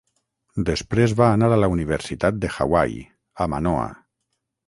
Després va anar a la Universitat de Hawaii, a Manoa.